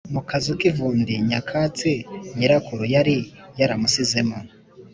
mu kazu k’ivundi nyakatsi nyirakuru yari yaramusizemo.